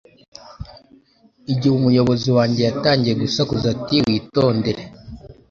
igihe umuyobozi wanjye yatangiye gusakuza ati Witondere